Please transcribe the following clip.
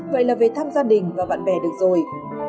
vậy là về thăm gia đình và bạn bè được rồi